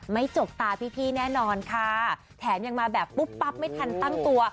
จกตาพี่แน่นอนค่ะแถมยังมาแบบปุ๊บปั๊บไม่ทันตั้งตัว